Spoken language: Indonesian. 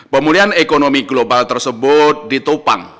pemulihan ekonomi global tersebut ditopang